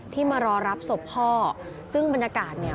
มารอรับศพพ่อซึ่งบรรยากาศเนี่ย